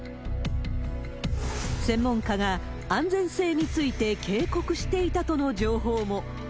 専門家が安全性について警告していたとの情報も。